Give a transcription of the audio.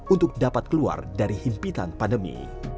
untuk dapat keluar dari himpitan pandemi